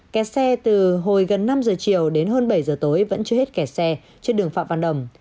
kẹt xe từ hồi gần năm giờ chiều đến hơn bảy giờ tối vẫn chưa hết kẻ xe trên đường phạm văn đồng